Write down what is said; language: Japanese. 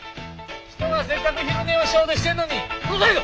人がせっかく昼寝をしようとしてるのにうるさいぞ！